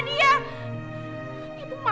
nadia salah aja kalah